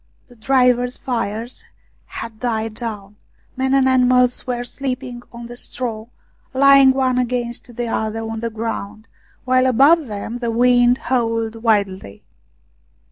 The drivers' fires had died down, men and animals were sleeping on the straw, lying one against the other on the ground, while above them the wind howled wildly.